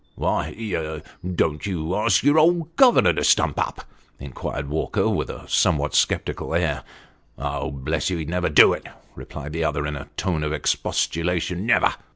Why don't you ask your old governor to stump up ?" inquired Walker, with a somewhat sceptical uir. " Oh ! bless you, he'd never do it," replied the other, in a tone of expostulation " Never